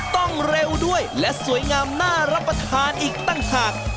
ต้องเร็วด้วยและสวยงามน่ารับประทานอีกต่างหาก